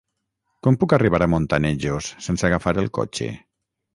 Com puc arribar a Montanejos sense agafar el cotxe?